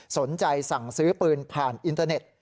สนใจสั่งซื้อปืนผ่านอินเทอร์เน็ต